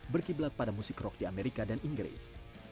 berkiblat pada musik rock di amerika dan inggris